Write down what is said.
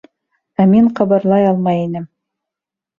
Ә мин ҡыбырлай алмай инем.